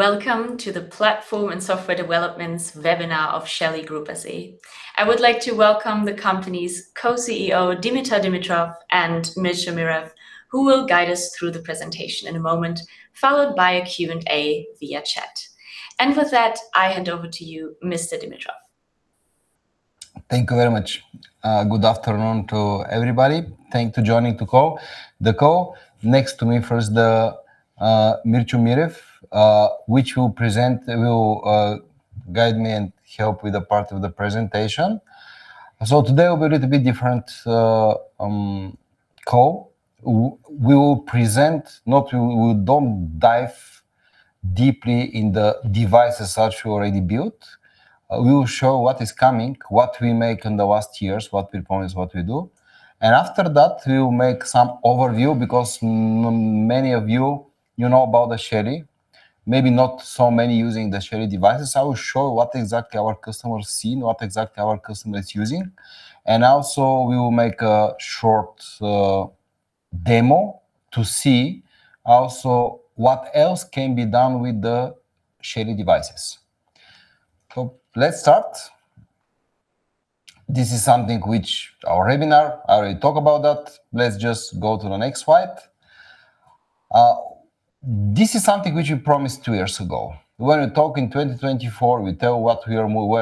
Welcome to the Platform and Software Developments webinar of Shelly Group SE. I would like to welcome the company's Co-CEO, Dimitar Dimitrov, and Mircho Mirov, who will guide us through the presentation in a moment, followed by a Q&A via chat. With that, I hand over to you, Mr. Dimitrov. Thank you very much. Good afternoon to everybody. Thank you for joining the call. Next to me first is Mircho Mirov, which will present, will guide me, and help with a part of the presentation. Today will be little bit different call. We don't dive deeply in the devices that we already built. We will show what is coming, what we make in the last years, what we promise, what we do. After that, we will make some overview because many of you know about the Shelly, maybe not so many using the Shelly devices. I will show what exactly our customers see and what exactly our customers using. Also we will make a short demo to see also what else can be done with the Shelly devices. Let's start. This is something which our webinar, I already talk about that. Let's just go to the next slide. This is something which we promised two years ago. When we talk in 2024, we tell where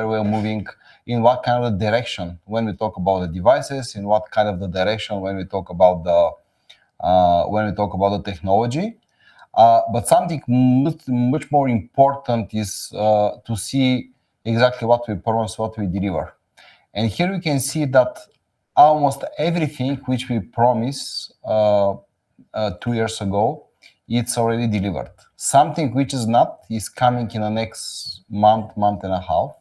we are moving, in what kind of direction when we talk about the devices, in what kind of the direction when we talk about the technology. Something much more important is to see exactly what we promise, what we deliver. Here we can see that almost everything which we promise two years ago, it's already delivered. Something which is not is coming in the next month and a half.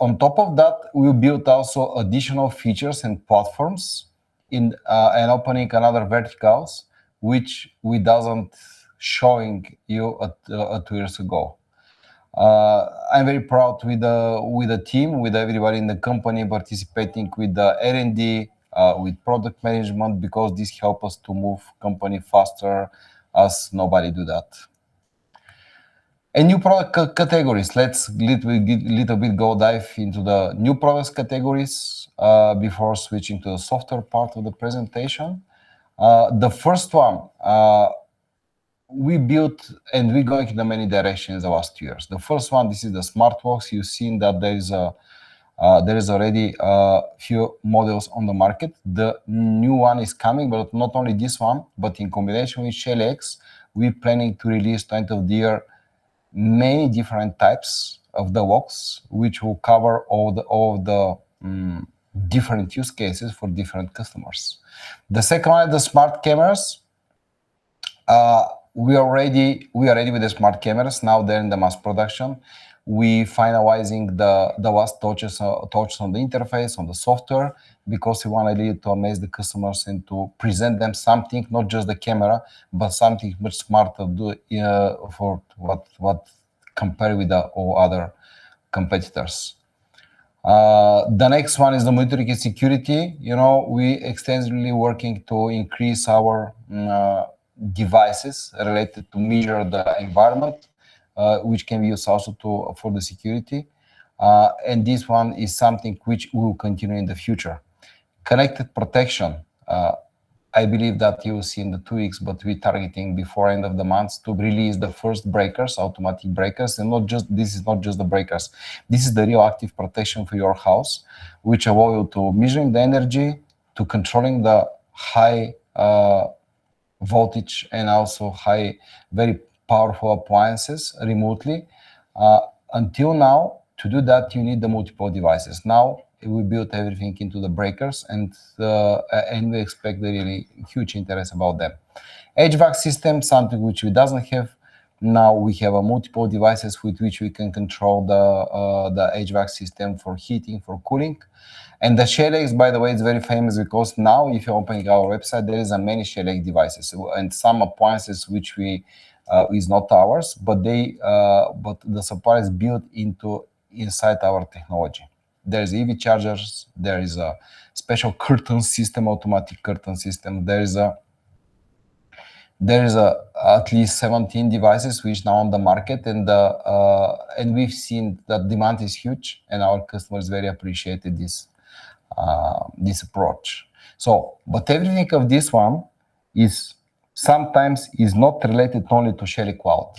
On top of that, we built also additional features and platforms and opening another verticals, which we doesn't showing you two years ago. I'm very proud with the team, with everybody in the company participating with the R&D, with product management, because this help us to move company faster as nobody do that. A new product categories. Let's little bit go dive into the new product categories, before switching to the software part of the presentation. The first one, we built and we going in the many directions the last years. The first one, this is the Smart Walls. You've seen that there is already a few models on the market. The new one is coming, but not only this one, but in combination with Shelly X, we planning to release end of the year many different types of the walls, which will cover all the different use cases for different customers. The second one, the smart cameras. We are ready with the smart cameras. Now they're in the mass production. We finalizing the last touches on the interface, on the software, because we wanted it to amaze the customers and to present them something, not just the camera, but something much smarter compared with the all other competitors. The next one is the monitoring and security. We extensively working to increase our devices related to measure the environment, which can be used also for the security. This one is something which will continue in the future. Connected protection. I believe that you'll see in the two weeks, we targeting before end of the month to release the first breakers, automatic breakers. This is not just the breakers. This is the real active protection for your house, which allow you to measuring the energy, to controlling the high voltage, and also high, very powerful appliances remotely. Until now, to do that, you need the multiple devices. We built everything into the breakers. We expect really huge interest about that. HVAC system, something which we doesn't have. We have a multiple devices with which we can control the HVAC system for heating, for cooling. The Shelly X, by the way, is very famous because now if you open our website, there is many Shelly devices and some appliances which is not ours, but the supply is built inside our technology. There is EV chargers, there is a special curtain system, automatic curtain system. There is at least 17 devices which now on the market. We've seen that demand is huge. Our customers very appreciated this approach. Everything of this one is sometimes is not related only to Shelly Cloud.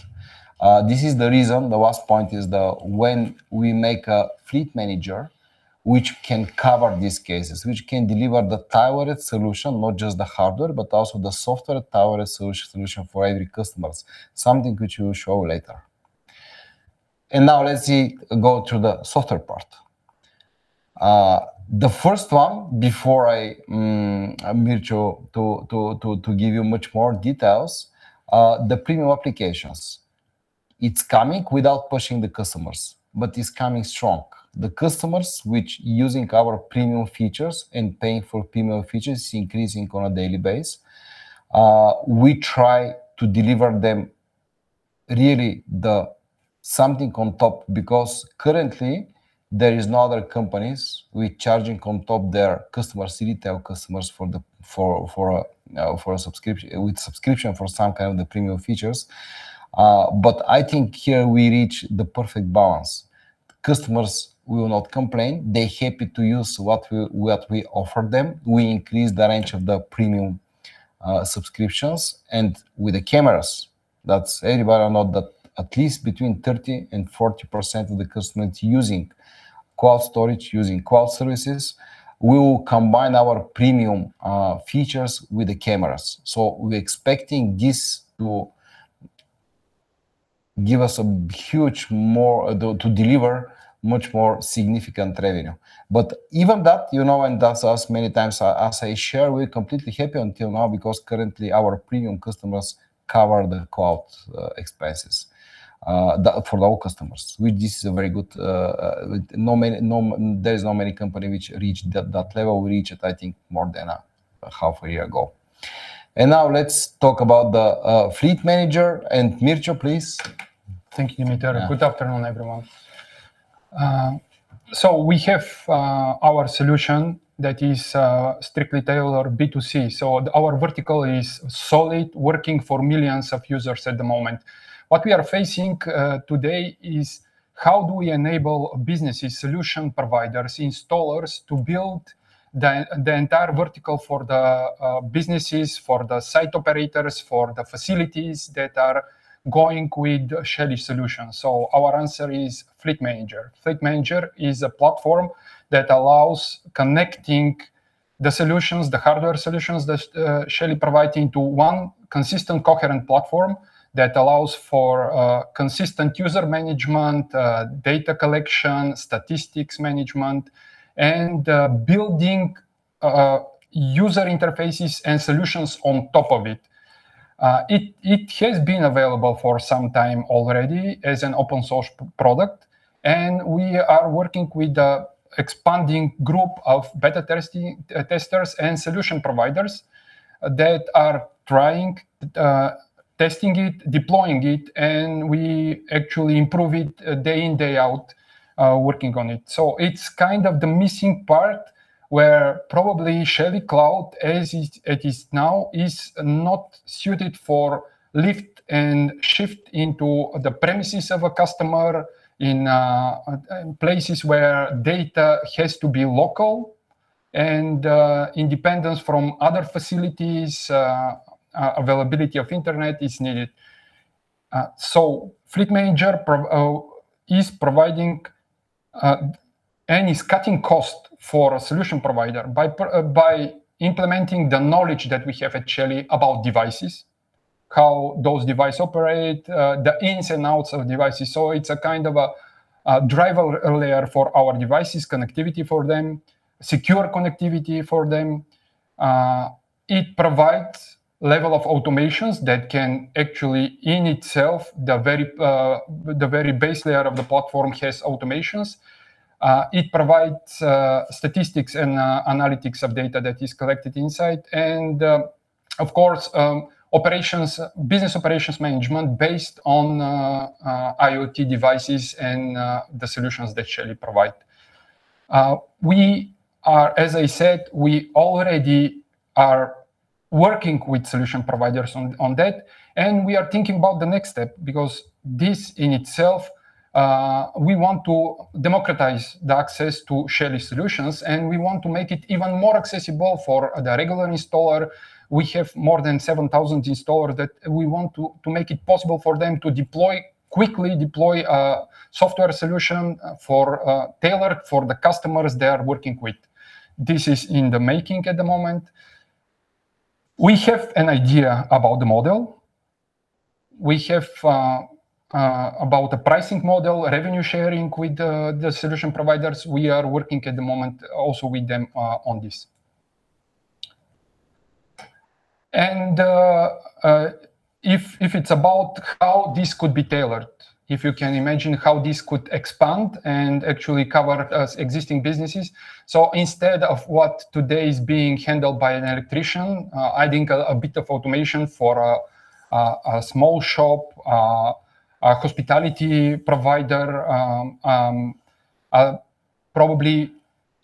This is the reason the last point is when we make a Shelly Fleet Manager, which can cover these cases, which can deliver the total solution, not just the hardware, but also the software total solution for every customer, something which we will show later. Now let's go to the software part. The first one before Mircho to give you much more details, the premium applications. It's coming without pushing the customers, but it's coming strong. The customers which using our premium features and paying for premium features is increasing on a daily basis. We try to deliver them really the something on top, because currently there is no other companies with charging on top their retail customers with subscription for some kind of the premium features. I think here we reach the perfect balance. Customers will not complain. They're happy to use what we offer them. We increase the range of the premium subscriptions with the cameras, that's everybody know that at least between 30% and 40% of the customers using cloud storage, using cloud services, we will combine our premium features with the cameras. We're expecting this to deliver much more significant revenue. Even that, and that's us many times as I share, we're completely happy until now because currently our premium customers cover the cloud expenses for our customers. There is no many company which reached that level. We reached, I think, more than a half a year ago. Now let's talk about the Fleet Manager, and Mircho, please. Thank you, Dimitar. Good afternoon, everyone. We have our solution that is strictly tailored B2C. Our vertical is solid, working for millions of users at the moment. What we are facing today is how do we enable businesses, solution providers, installers to build the entire vertical for the businesses, for the site operators, for the facilities that are going with Shelly solutions. Our answer is Shelly Fleet Manager. Shelly Fleet Manager is a platform that allows connecting the solutions, the hardware solutions that Shelly providing to one consistent, coherent platform that allows for consistent user management, data collection, statistics management, and building user interfaces and solutions on top of it. It has been available for some time already as an open-source product, and we are working with the expanding group of beta testers and solution providers that are trying, testing it, deploying it, and we actually improve it day in, day out, working on it. It's kind of the missing part where probably Shelly Cloud, as it is now, is not suited for lift and shift into the premises of a customer in places where data has to be local and independence from other facilities, availability of internet is needed. Fleet Manager is providing and is cutting cost for a solution provider by implementing the knowledge that we have at Shelly about devices, how those device operate, the ins and outs of devices. It's a kind of a driver layer for our devices, connectivity for them, secure connectivity for them. It provides level of automations that can actually, in itself, the very base layer of the platform has automations. It provides statistics and analytics of data that is collected inside and, of course, business operations management based on IoT devices and the solutions that Shelly provide. As I said, we already are working with solution providers on that, and we are thinking about the next step because this in itself, we want to democratize the access to Shelly solutions, and we want to make it even more accessible for the regular installer. We have more than 7,000 installers that we want to make it possible for them to quickly deploy a software solution tailored for the customers they are working with. This is in the making at the moment. We have an idea about the model. We have about the pricing model, revenue sharing with the solution providers. We are working at the moment also with them on this. If it's about how this could be tailored, if you can imagine how this could expand and actually cover existing businesses. Instead of what today is being handled by an electrician, adding a bit of automation for a small shop, a hospitality provider, probably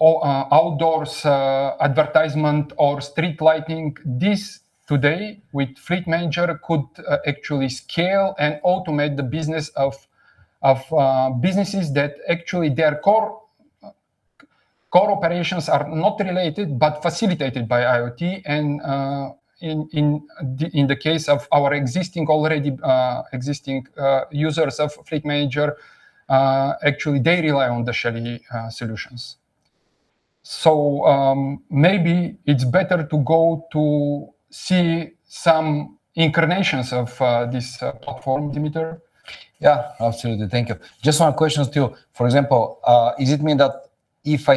outdoors advertisement or street lighting, this today with Shelly Fleet Manager could actually scale and automate the business of businesses that actually their core operations are not related but facilitated by IoT. In the case of our already existing users of Shelly Fleet Manager, actually, they rely on the Shelly solutions. Maybe it's better to go to see some incarnations of this platform, Dimitar. Yeah, absolutely. Thank you. Just one question to you. For example, is it mean that if I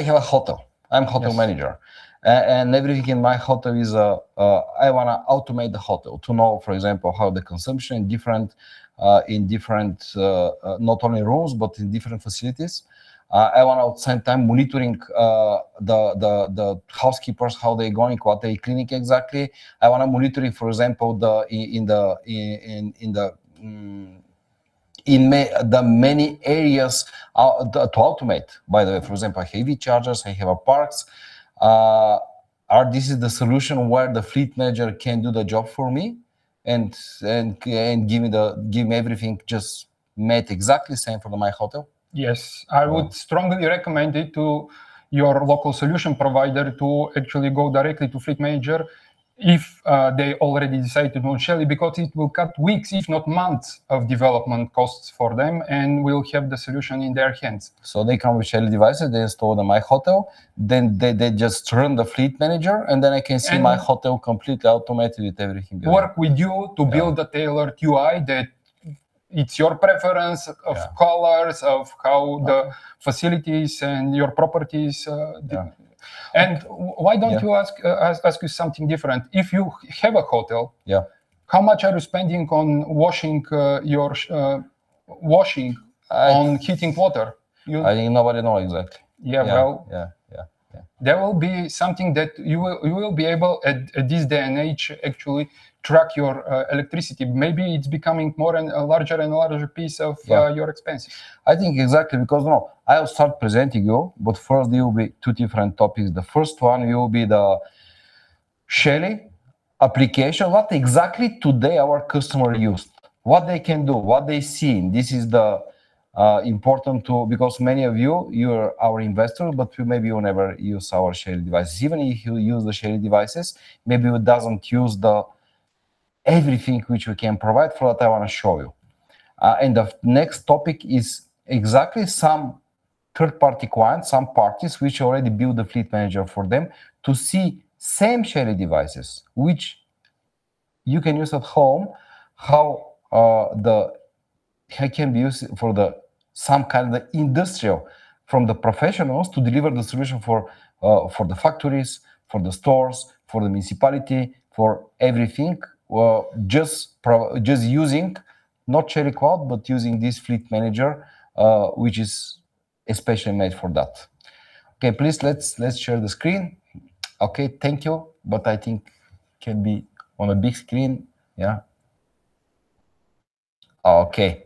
have a hotel, I'm hotel manager, I want to automate the hotel to know, for example, how the consumption in different not only rooms, but in different facilities. I want to at the same time monitoring the housekeepers, how they're going, what they cleaning exactly. I want to monitor, for example, in the many areas to automate, by the way, for example, heavy chargers, I have a parks. This is the solution where the fleet manager can do the job for me and then give me everything just made exactly the same for my hotel? Yes. I would strongly recommend it to your local solution provider to actually go directly to Fleet Manager if they already decide to go with Shelly, because it will cut weeks, if not months, of development costs for them and will have the solution in their hands. They come with Shelly devices, they install them in my hotel, then they just turn the Fleet Manager, and then I can see my hotel completely automated with everything there. Work with you to build a tailored UI that it's your preference of colors, of how the facilities and your properties. Yeah. Why don't I ask you something different. If you have a hotel. Yeah How much are you spending on washing, on heating water? I nobody know exactly. Yeah. Yeah. There will be something that you will be able, at this day and age, actually track your electricity. Maybe it's becoming more and a larger and larger piece of your expense. I think exactly because, no, I'll start presenting you, but first there will be two different topics. The first one will be the Shelly application. What exactly today our customer used, what they can do, what they seen. This is the important tool because many of you're our investor, but maybe you never use our Shelly devices. Even if you use the Shelly devices, maybe you doesn't use the everything which we can provide for that I want to show you. The next topic is exactly some third-party client, some parties which already build a fleet manager for them to see same Shelly devices, which you can use at home, how they can be used for the some kind of industrial from the professionals to deliver the solution for the factories, for the stores, for the municipality, for everything. Just using not Shelly Cloud, but using this Fleet Manager, which is especially made for that. Okay. Please let's share the screen. Okay, thank you. I think can be on a big screen. Yeah. Okay.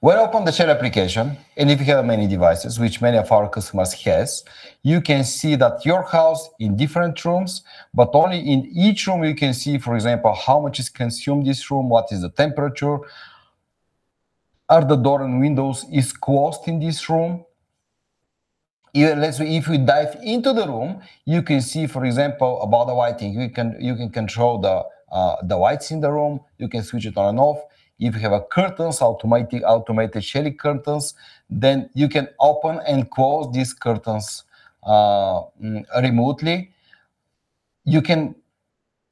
We open the Shelly application, and if you have many devices, which many of our customers has, you can see that your house in different rooms, but only in each room you can see, for example, how much is consumed this room, what is the temperature, are the door and windows is closed in this room. If we dive into the room, you can see, for example, about the lighting. You can control the lights in the room. You can switch it on and off. If you have a curtains, automated Shelly curtains, you can open and close these curtains remotely.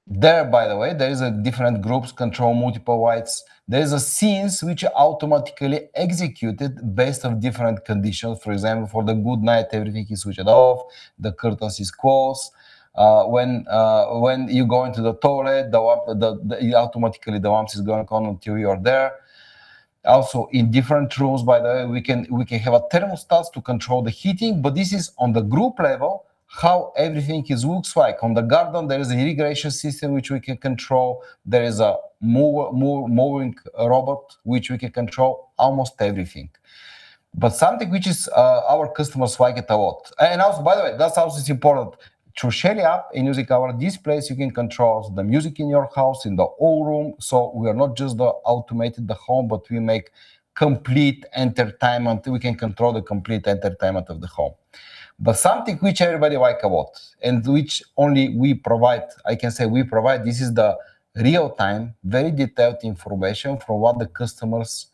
There, by the way, there is a different groups control multiple lights. There is a scenes which are automatically executed based on different conditions. For example, for the good night, everything is switched off, the curtains is closed. When you go into the toilet, automatically the lamps is going on until you are there. Also, in different rooms, by the way, we can have a thermostats to control the heating. This is on the group level, how everything is looks like. On the garden, there is a irrigation system which we can control. There is a mowing robot which we can control. Almost everything. Something which is our customers like it a lot. Also, by the way, that's also is important. Through Shelly app and using our displays, you can control the music in your house, in the all room. We are not just automating the home, but we make complete entertainment. We can control the complete entertainment of the home. Something which everybody like a lot and which only we provide, I can say we provide, this is the real-time, very detailed information for what the customers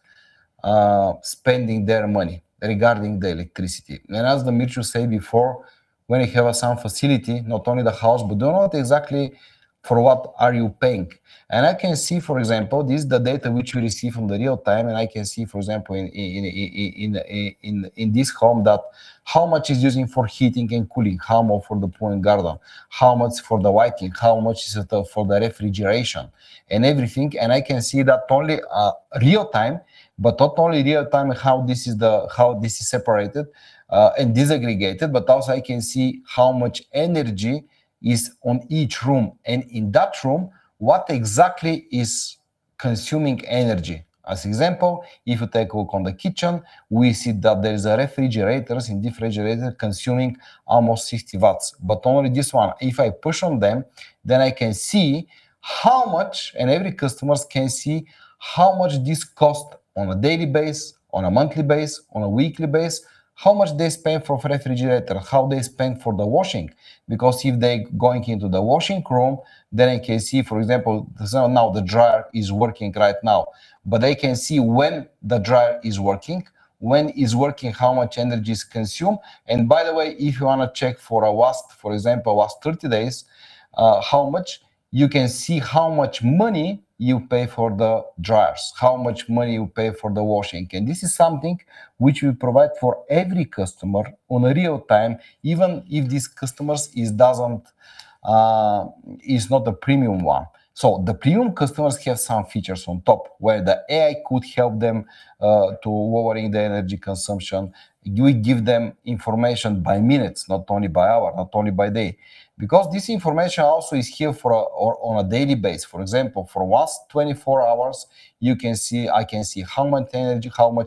spending their money regarding the electricity. As Dimitar say before, when you have a sound facility, not only the house, but you know what exactly for what are you paying. I can see, for example, this is the data which we receive from the real-time, and I can see, for example, in this home that how much is using for heating and cooling, how much for the pool and garden, how much for the lighting, how much is it for the refrigeration and everything. I can see that only real-time, but not only real-time, how this is separated, and disaggregated, but also I can see how much energy is on each room. In that room, what exactly is consuming energy. As example, if you take a look on the kitchen, we see that there is a refrigerators, and the refrigerator consuming almost 60 watts, but only this one. If I push on them, then I can see how much, and every customers can see how much this cost on a daily base, on a monthly base, on a weekly base, how much they spend for refrigerator, how they spend for the washing. If they going into the washing room, then I can see, for example, now the dryer is working right now, but they can see when the dryer is working, when is working, how much energy is consumed. By the way, if you want to check for a last, for example, last 30 days, how much, you can see how much money you pay for the dryers, how much money you pay for the washing. This is something which we provide for every customer on a real-time, even if this customers is not a premium one. The premium customers have some features on top, where the AI could help them to lowering their energy consumption. We give them information by minutes, not only by hour, not only by day. This information also is here on a daily base. For example, for last 24 hours, I can see how much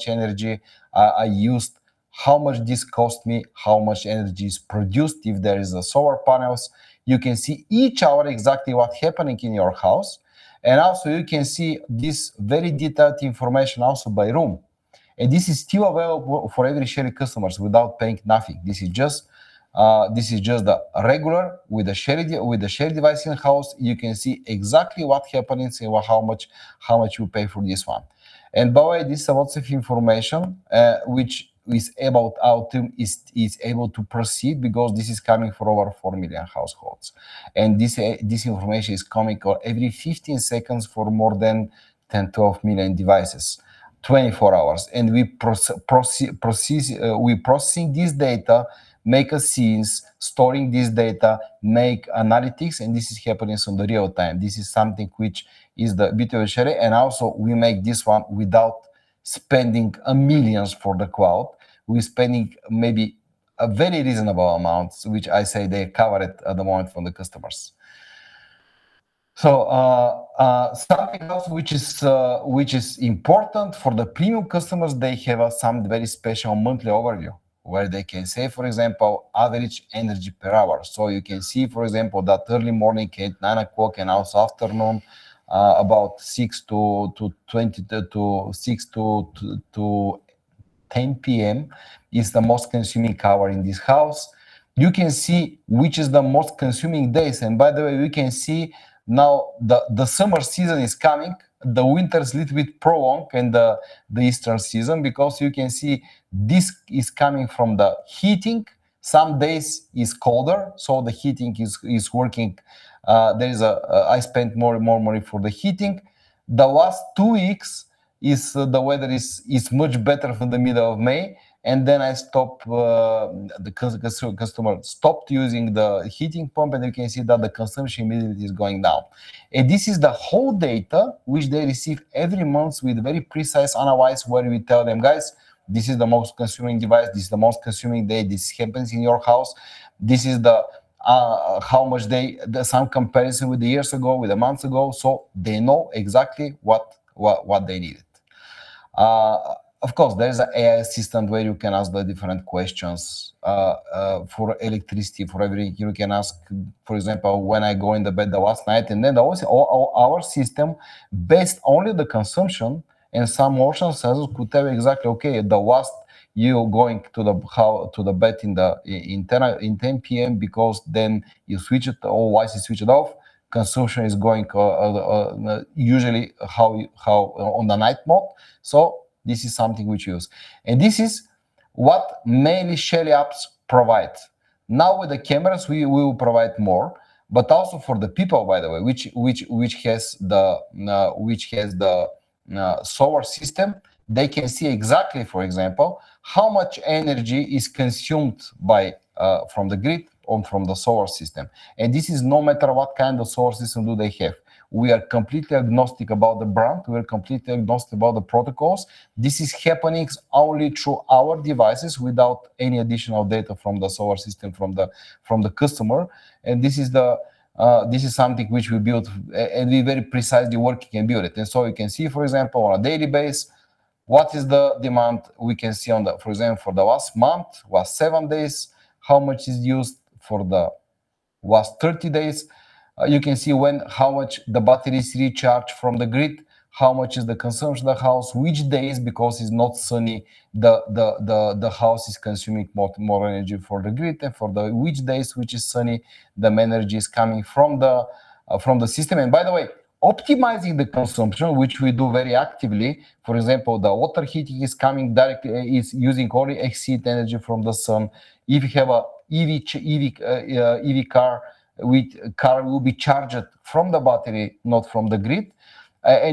energy I used. How much this cost me, how much energy is produced if there is a solar panels. You can see each hour exactly what happening in your house. Also you can see this very detailed information also by room. This is still available for every Shelly customers without paying nothing. This is just the regular with the Shelly device in house, you can see exactly what happening and how much you pay for this one. By the way, this lots of information, which is about our team is able to proceed because this is coming for over 4 million households. This information is coming every 15 seconds for more than 10, 12 million devices, 24 hours. We processing this data, make a scenes, storing this data, make analytics. This is happening on the real time. This is something which is the beauty of Shelly. Also we make this one without spending millions for the cloud. We spending maybe a very reasonable amount, which I say they cover it at the moment from the customers. Starting off, which is important for the premium customers, they have some very special monthly overview where they can say, for example, average energy per hour. You can see, for example, that early morning at 9:00 A.M., and also afternoon, about 6:00 P.M. to 10:00 P.M. is the most consuming hour in this house. You can see which is the most consuming days. By the way, we can see now the summer season is coming. The winter is little bit prolonged in the Eastern season because you can see this is coming from the heating. Some days is colder, so the heating is working. I spent more and more EUR for the heating. The last two weeks, the weather is much better from the middle of May, then the customer stopped using the heating pump, you can see that the consumption immediately is going down. This is the whole data which they receive every month with very precise analysis where we tell them, "Guys, this is the most consuming device. This is the most consuming day. This happens in your house. This is how much." Some comparison with the years ago, with the months ago. They know exactly what they needed. Of course, there is a AI system where you can ask the different questions, for electricity. You can ask, for example, when I go in the bed the last night, and then always our system based only the consumption and some motion sensors could tell exactly, okay, the last you going to the bed in 10:00 P.M. because then all lights is switched off, consumption is going usually on the night mode. This is something we use. This is what mainly Shelly apps provide. Now with the cameras, we will provide more. Also for the people, by the way, which has the solar system, they can see exactly, for example, how much energy is consumed from the grid or from the solar system. This is no matter what kind of solar system do they have. We are completely agnostic about the brand. We are completely agnostic about the protocols. This is happening only through our devices without any additional data from the solar system from the customer, this is something which we build and we very precisely working and build it. You can see, for example, on a daily basis, what is the demand we can see on the, for example, for the last month, last seven days, how much is used for the last 30 days. You can see how much the battery is recharged from the grid, how much is the consumption of the house, which days, because it's not sunny, the house is consuming more energy for the grid, and for which days, which is sunny, the energy is coming from the system, by the way, optimizing the consumption, which we do very actively. For example, the water heating is using only excess energy from the sun. If you have a EV car will be charged from the battery, not from the grid.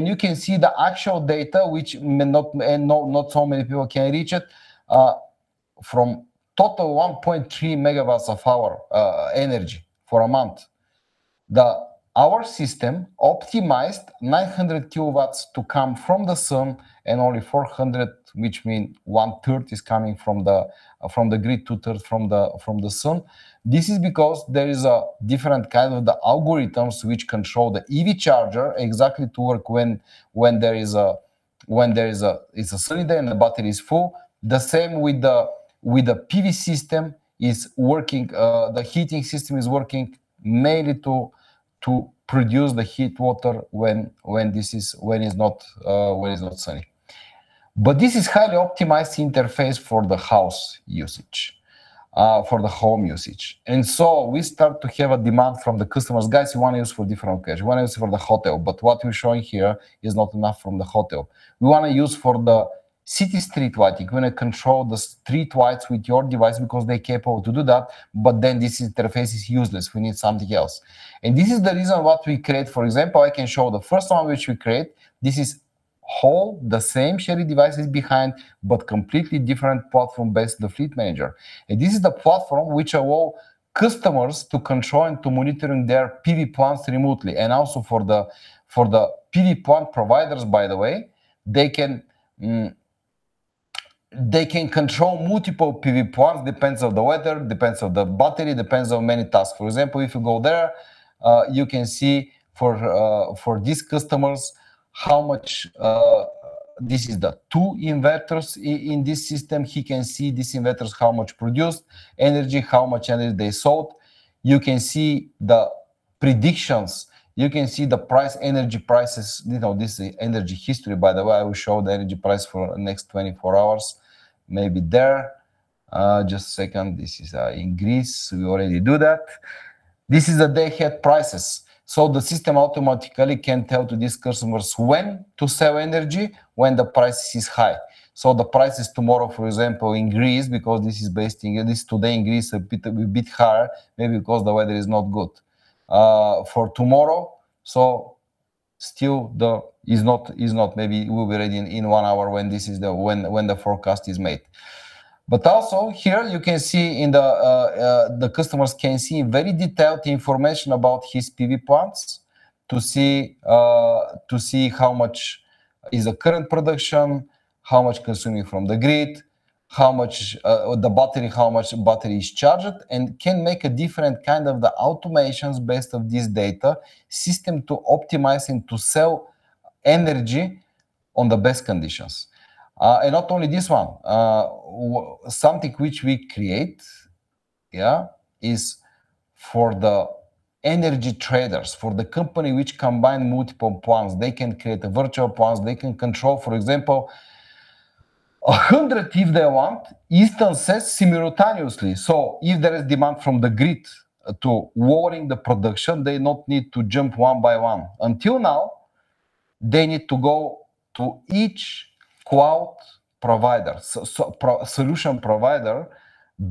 You can see the actual data, which not so many people can reach it. From total 1.3 MW of energy for a month, our system optimized 900 kW to come from the sun and only 400 kW, which mean one third is coming from the grid, two third from the sun. This is because there is a different kind of the algorithms which control the EV charger exactly to work when there is a sunny day, and the battery is full. The same with the PV system, the heating system is working mainly to produce the hot water when it's not sunny. This is highly optimized interface for the house usage, for the home usage. We start to have a demand from the customers. Guys, we want to use for different occasion. We want to use for the hotel, but what you're showing here is not enough from the hotel. We want to use for the city street lighting. We want to control the street lights with your device because they're capable to do that, but then this interface is useless. We need something else. This is the reason what we create. For example, I can show the first one which we create. This is whole the same Shelly devices behind, but completely different platform based the Shelly Fleet Manager. This is the platform which allow customers to control and to monitoring their PV plants remotely. Also for the PV plant providers, by the way, they can control multiple PV plants, depends on the weather, depends on the battery, depends on many tasks. For example, if you go there, you can see for these customers how much this is the two inverters in this system. He can see these inverters, how much produced energy, how much energy they sold. You can see the predictions. You can see the energy prices. This energy history, by the way, will show the energy price for next 24 hours, maybe there. Just a second. This is in Greece. We already do that. This is the day-ahead prices. The system automatically can tell to these customers when to sell energy when the price is high. The price is tomorrow, for example, in Greece, because this today in Greece a bit higher, maybe because the weather is not good. For tomorrow, still is not maybe, will be ready in one hour when the forecast is made. Here you can see the customers can see very detailed information about his PV plants to see how much is the current production, how much consuming from the grid, how much the battery is charged, and can make a different kind of the automations based on this data system to optimizing to sell energy on the best conditions. Not only this one. Something which we create is for the energy traders, for the company which combine multiple plants. They can create a virtual plants. They can control, for example, 100 if they want, in instances simultaneously. If there is demand from the grid to lowering the production, they not need to jump one by one. Until now, they need to go to each cloud provider, solution provider,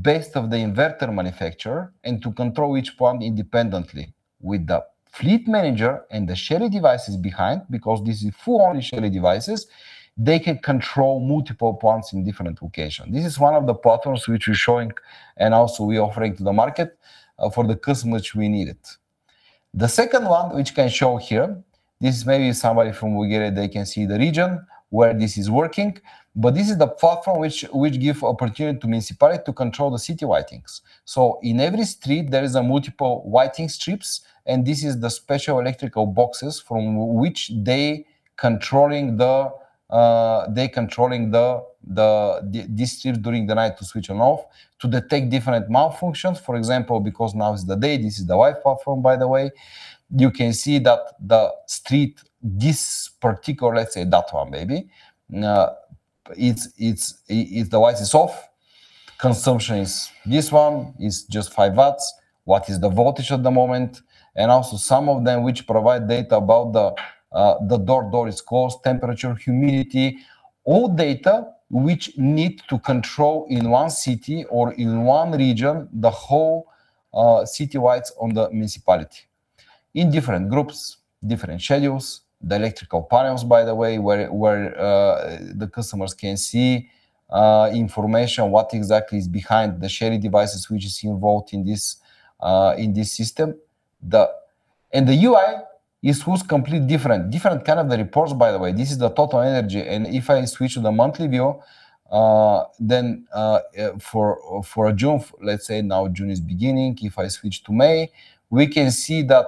based of the inverter manufacturer, and to control each plant independently. With the Fleet Manager and the Shelly devices behind, because this is full only Shelly devices, they can control multiple plants in different location. This is one of the platforms which we're showing and also we offering to the market for the customer which we need it. The second one, which can show here, this is maybe somebody from Bulgaria, they can see the region where this is working, but this is the platform which give opportunity to municipality to control the city lightings. In every street, there is a multiple lighting strips, and this is the special electrical boxes from which they controlling these strips during the night to switch on/off, to detect different malfunctions. For example, because now is the day, this is the light platform, by the way. You can see that the street, this particular, let's say that one, maybe. If the light is off, consumption is this one, is just five watts. What is the voltage at the moment? Also some of them which provide data about the door. Door is closed, temperature, humidity, all data which need to control in one city or in one region, the whole city lights on the municipality. In different groups, different schedules, the electrical panels, by the way, where the customers can see information, what exactly is behind the Shelly devices which is involved in this system. The UI is a complete different. Different kind of the reports, by the way. This is the total energy. If I switch to the monthly view, then for June, let's say now June is beginning. If I switch to May, we can see that,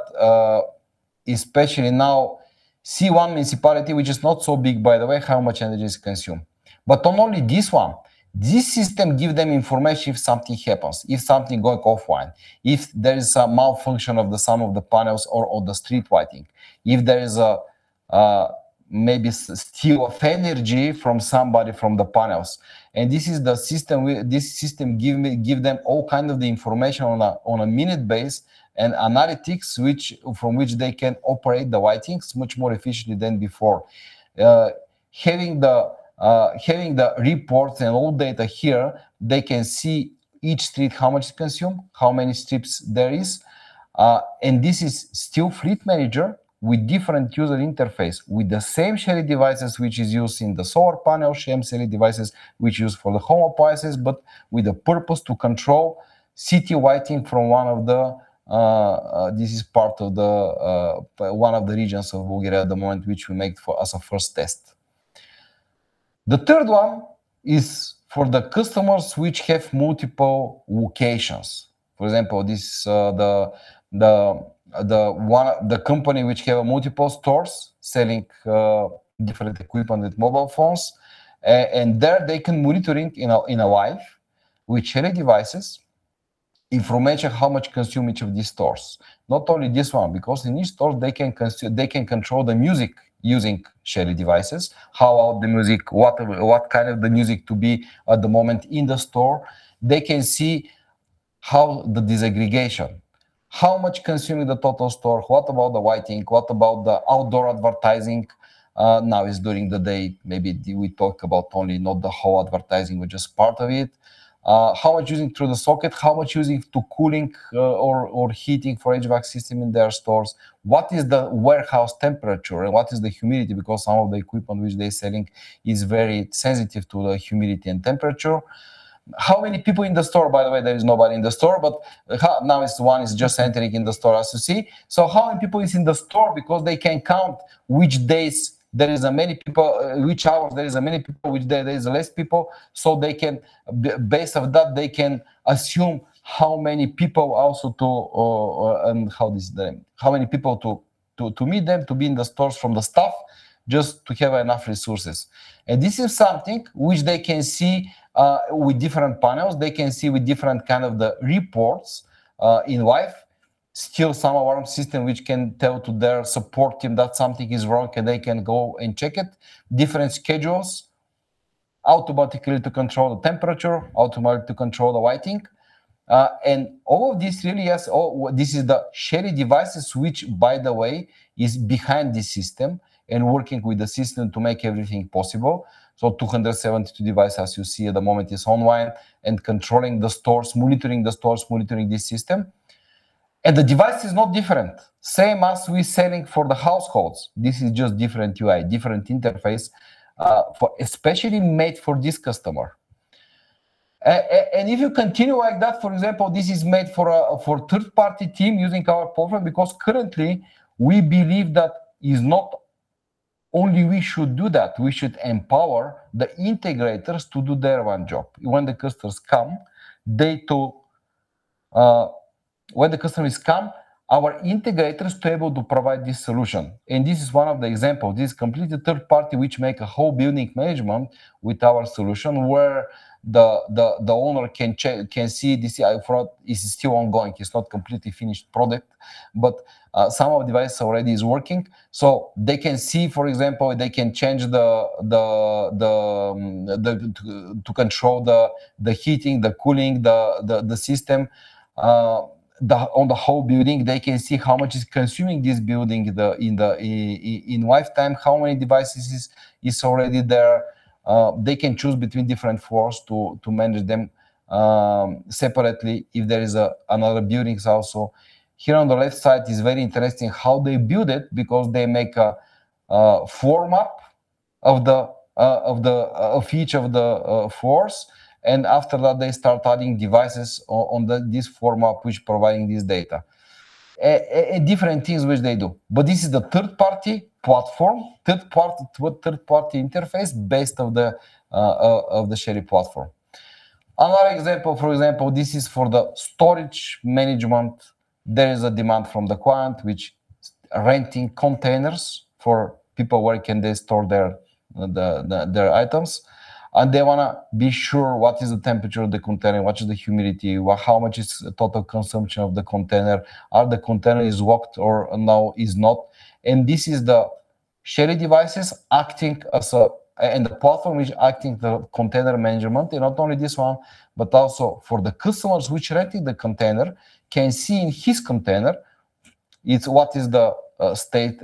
especially now, C1 municipality, which is not so big, by the way, how much energy is consumed. Not only this one. This system give them information if something happens, if something going offline, if there is a malfunction of some of the panels or the street lighting, if there is maybe steal of energy from somebody from the panels. This system give them all kind of the information on a minute base and analytics from which they can operate the lightings much more efficiently than before. Having the report and all data here, they can see each street, how much consumed, how many strips there is. This is still Fleet Manager with different user interface, with the same Shelly devices which is used in the solar panel, same Shelly devices which used for the home appliances, but with the purpose to control city lighting. This is part of one of the regions of Bulgaria at the moment, which we make for as a first test. The third one is for the customers which have multiple locations. For example, the company which have multiple stores selling different equipment with mobile phones. There they can monitoring in a live with Shelly devices, information how much consume each of these stores. Not only this one, because in each store they can control the music using Shelly devices, how loud the music, what kind of the music to be at the moment in the store. They can see how the disaggregation, how much consuming the total store. What about the lighting? What about the outdoor advertising? Now is during the day, maybe we talk about only not the whole advertising, but just part of it. How much using through the socket, how much using to cooling or heating for HVAC system in their stores? What is the warehouse temperature and what is the humidity? Some of the equipment which they selling is very sensitive to the humidity and temperature. How many people in the store? By the way, there is nobody in the store, but now this one is just entering in the store, as you see. How many people is in the store? They can count which days there is many people, which hours there is many people, which day there is less people. Based on that, they can assume how many people to meet them, to be in the stores from the staff, just to have enough resources. This is something which they can see with different panels. They can see with different kind of the reports in live. Still some alarm system which can tell to their support team that something is wrong and they can go and check it. Different schedules. Automatically to control the temperature, automatically to control the lighting. All this is the Shelly devices, which by the way, is behind this system and working with the system to make everything possible. 272 device, as you see at the moment, is online and controlling the stores, monitoring the stores, monitoring this system. The device is not different. Same as we're selling for the households. This is just different UI, different interface, especially made for this customer. If you continue like that, for example, this is made for a third-party team using our program because currently we believe that is not only we should do that, we should empower the integrators to do their own job. When the customers come, our integrators to able to provide this solution. This is one of the example. This is completely third-party, which make a whole building management with our solution where the owner can see this here front is still ongoing. It's not completely finished product, but some of the device already is working so they can see, for example, they can change to control the heating, the cooling, the system on the whole building. They can see how much is consuming this building in lifetime, how many devices is already there. They can choose between different floors to manage them separately if there is another buildings also. Here on the left side is very interesting how they build it because they make a floor map of each of the floors and after that they start adding devices on this floor map, which providing this data. Different things which they do. This is the third-party platform, third-party interface based of the Shelly platform. Another example. For example, this is for the storage management. There is a demand from the client, which renting containers for people where can they store their items. They want to be sure what is the temperature of the container, what is the humidity, how much is the total consumption of the container, are the container is locked or now is not. This is the Shelly devices and the platform which acting the container management. Not only this one, but also for the customers which renting the container can see in his container what is the status,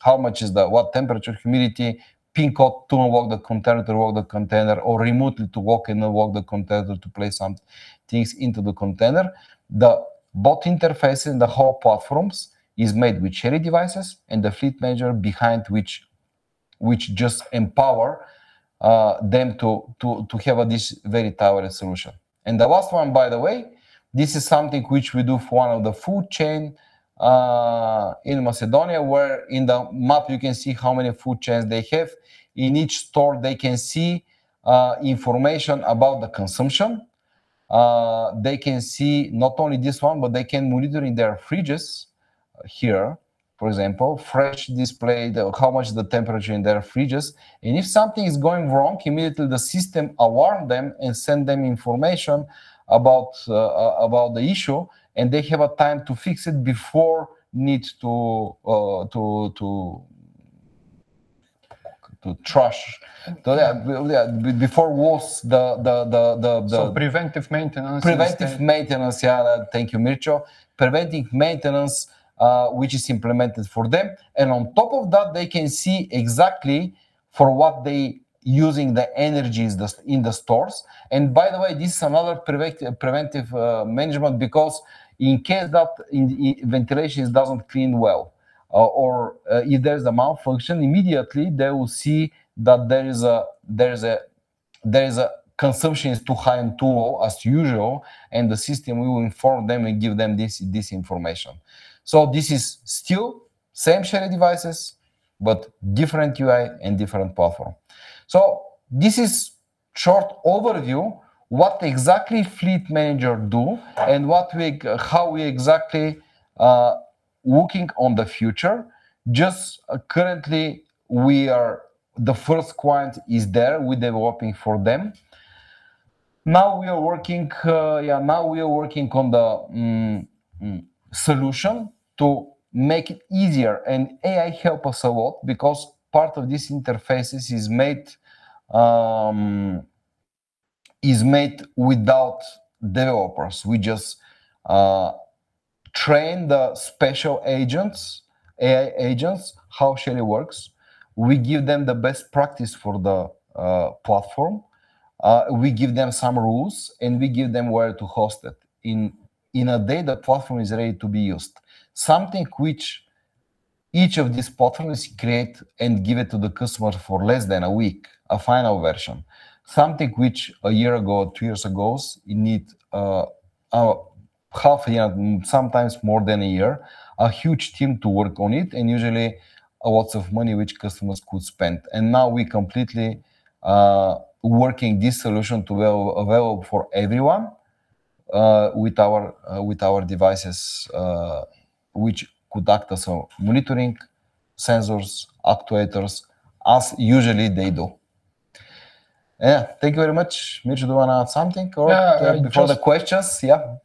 how much is the what temperature, humidity, PIN code to unlock the container, to lock the container or remotely to lock and unlock the container to place some things into the container. The bot interface in the whole platforms is made with Shelly devices and the Fleet Manager behind which just empower them to have this very towering solution. The last one, by the way, this is something which we do for one of the food chain in Macedonia, where in the map you can see how many food chains they have. In each store, they can see information about the consumption. They can see not only this one, but they can monitor in their fridges here, for example, fresh display the how much the temperature in their fridges. If something is going wrong, immediately the system alarm them and send them information about the issue, and they have a time to fix it before needs to trash. Yeah. Preventive maintenance instead. Preventive maintenance. Thank you, Mircho. Preventive maintenance, which is implemented for them. On top of that, they can see exactly for what they using the energies in the stores. By the way, this is another preventive management because in case that ventilation doesn't clean well or if there's a malfunction, immediately they will see that there's a consumption is too high and too low as usual, and the system will inform them and give them this information. This is still same Shelly devices, but different UI and different platform. This is short overview what exactly Fleet Manager do and how we exactly looking on the future. Just currently the first client is there, we're developing for them. Now we are working on the solution to make it easier, and AI help us a lot because part of this interfaces is made without developers. We just train the special agents, AI agents how Shelly works. We give them the best practice for the platform. We give them some rules, and we give them where to host it. In a day, that platform is ready to be used. Something which each of these platforms create and give it to the customer for less than a week, a final version. Something which a year ago, two years ago, you need half a year, sometimes more than a year, a huge team to work on it, and usually lots of money which customers could spend. Now we completely working this solution to available for everyone with our devices which could act as our monitoring sensors, actuators as usually they do. Yeah. Thank you very much. Mircho, do you want to add something? Yeah. For the questions? Yeah.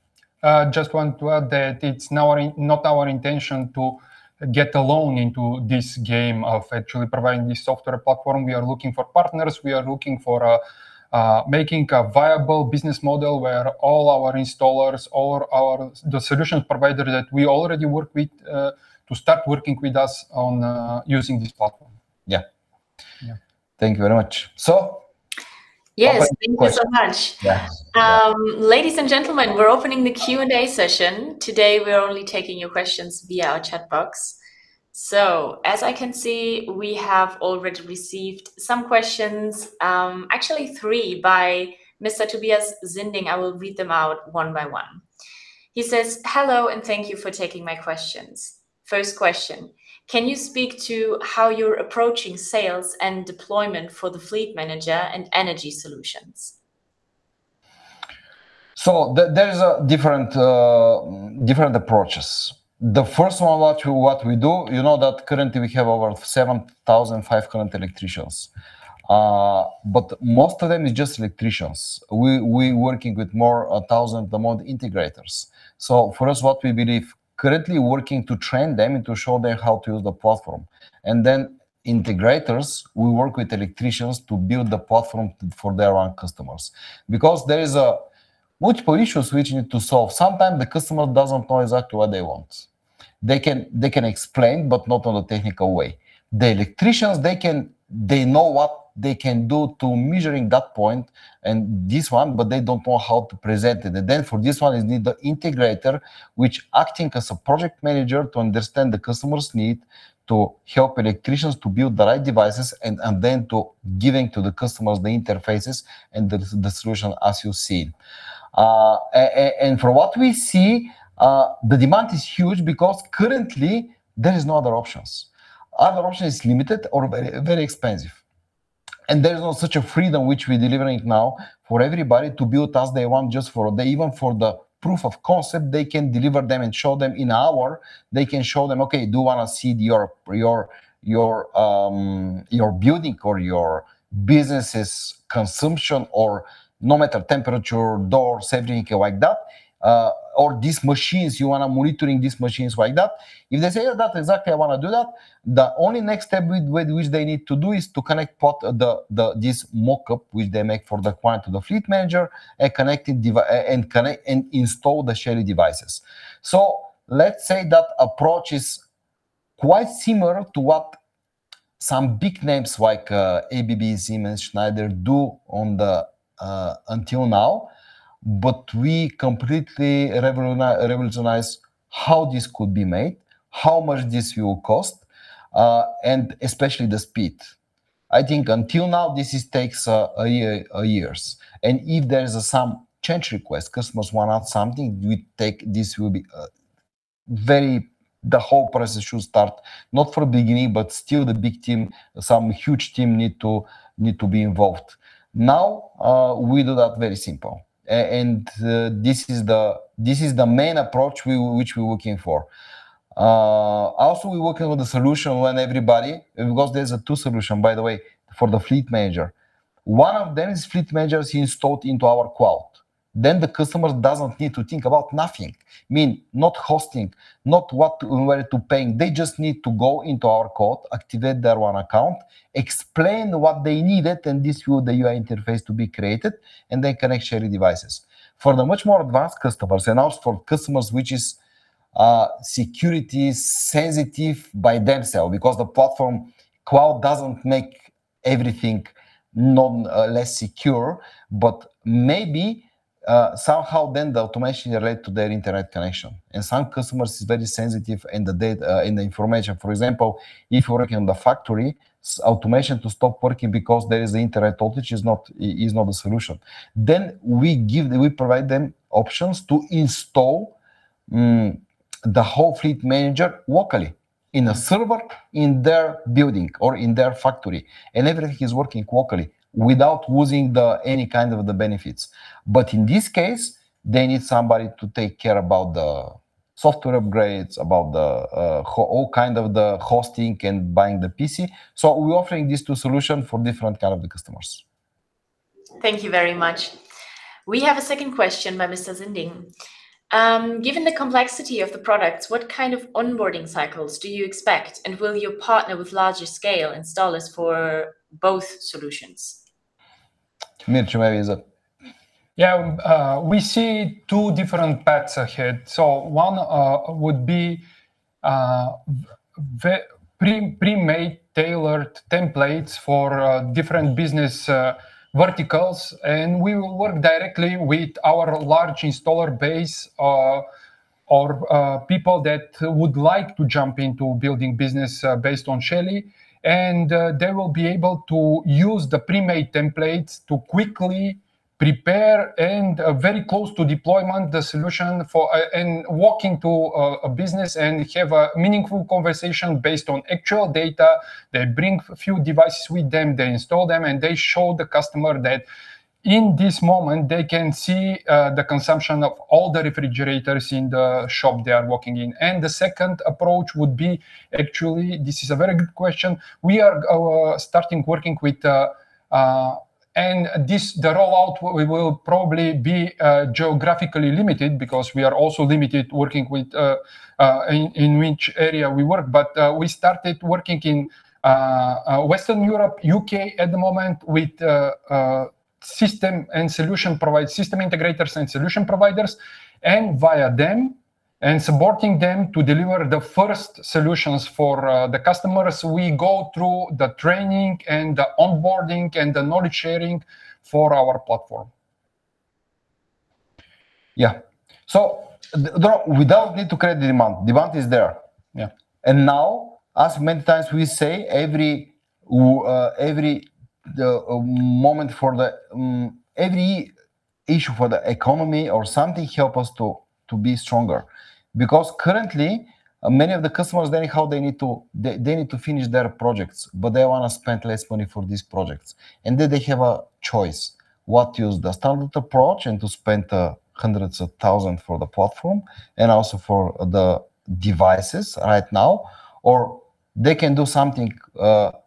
Just want to add that it's not our intention to get alone into this game of actually providing this software platform. We are looking for partners. We are looking for making a viable business model where all our installers, all the solution provider that we already work with, to start working with us on using this platform. Yeah. Yeah. Thank you very much. Yes. Thank you so much. Yes. Ladies and gentlemen, we're opening the Q&A session. Today, we are only taking your questions via our chat box. As I can see, we have already received some questions. Actually, three by Mr. Tobias Zinding. I will read them out one by one. He says, "Hello, thank you for taking my questions. First question, can you speak to how you're approaching sales and deployment for the Shelly Fleet Manager and energy solutions? There's different approaches. The first one, actually what we do, you know that currently we have over 7,005 current electricians. Most of them is just electricians. We working with more, 1,000 among integrators. For us, what we believe currently working to train them and to show them how to use the platform, and then integrators will work with electricians to build the platform for their own customers. There is multiple issues which need to solve. Sometimes the customer doesn't know exactly what they want. They can explain, but not on a technical way. The electricians, they know what they can do to measuring that point and this one, but they don't know how to present it. For this one, you need the integrator, which acting as a project manager to understand the customer's need, to help electricians to build the right devices and then to giving to the customers the interfaces and the solution as you see. From what we see, the demand is huge because currently there is no other options. Other option is limited or very expensive. There's no such a freedom which we delivering now for everybody to build as they want just for, even for the proof of concept, they can deliver them and show them in hour, they can show them, okay, do you want to see your building or your business' consumption or no matter temperature, door, safety, like that. These machines, you want to monitoring these machines, like that. If they say, "That's exactly, I want to do that," the only next step which they need to do is to connect this mock-up which they make for the client to the Fleet Manager and connect and install the Shelly devices. Let's say that approach is quite similar to what some big names like, ABB, Siemens, Schneider do until now. We completely revolutionize how this could be made, how much this will cost, and especially the speed. I think until now, this takes years. If there's some change request, customers want something, the whole process should start not from beginning, but still the big team, some huge team need to be involved. Now, we do that very simple. This is the main approach which we're working for. We working with the solution when everybody, because there's a two solution, by the way, for the Fleet Manager. One of them is Fleet Manager is installed into our cloud. The customer doesn't need to think about nothing. Mean not hosting, not what, where to paying. They just need to go into our cloud, activate their own account, explain what they needed, and this view, the UI interface to be created, and they connect Shelly devices. For the much more advanced customers, and also for customers which is security sensitive by themselves because the platform cloud doesn't make everything less secure, but maybe somehow then the automation relate to their internet connection. Some customers is very sensitive in the information. For example, if working on the factory, automation to stop working because there is a internet outage is not a solution. We provide them options to install the whole Shelly Fleet Manager locally in a server in their building or in their factory, and everything is working locally without losing any kind of the benefits. In this case, they need somebody to take care about the software upgrades, about all kind of the hosting and buying the PC. We're offering these two solution for different kind of the customers. Thank you very much. We have a second question by Mr. Zinding. "Given the complexity of the products, what kind of onboarding cycles do you expect, and will you partner with larger scale installers for both solutions? Mircho, maybe is it. We see two different paths ahead. One would be pre-made tailored templates for different business verticals, and we will work directly with our large installer base or people that would like to jump into building business based on Shelly. They will be able to use the pre-made templates to quickly prepare and very close to deployment the solution, and walk into a business and have a meaningful conversation based on actual data. They bring few devices with them, they install them, and they show the customer that in this moment, they can see the consumption of all the refrigerators in the shop they are working in. The second approach would be, actually, this is a very good question. The rollout will probably be geographically limited because we are also limited in which area we work. We started working in Western Europe, U.K. at the moment with system integrators and solution providers, and via them and supporting them to deliver the first solutions for the customers. We go through the training and the onboarding and the knowledge sharing for our platform. Yeah. We don't need to create the demand. Demand is there. Yeah. As many times we say, every issue for the economy or something help us to be stronger. Currently, many of the customers, anyhow, they need to finish their projects, but they want to spend less money for these projects. They have a choice, what use the standard approach and to spend hundreds of thousands EUR for the platform and also for the Shelly devices right now. They can do something